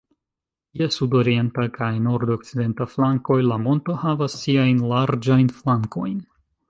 Je sudorienta kaj nordokcidenta flankoj la monto havas siajn larĝajn flankojn.